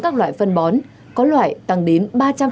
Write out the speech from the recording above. các loại phân bón có loại tăng đến